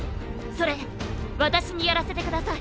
それ私にやらせて下さい。